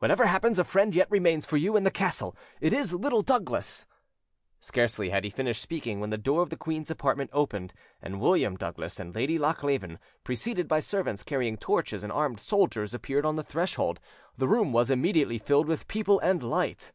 Whatever happens, a friend yet remains for you in the castle; it is Little Douglas." Scarcely had he finished speaking when the door of the queen's apartment opened, and William Douglas and Lady Lochleven, preceded by servants carrying torches and armed soldiers, appeared on the threshold: the room was immediately filled with people and light.